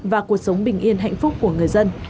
và cuộc sống bình yên hạnh phúc của người dân